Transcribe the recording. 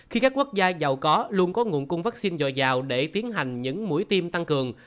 khi các quốc gia giàu có luôn có nguồn cung vaccine dồi dào để tiến hành những mũi tiêm tăng cường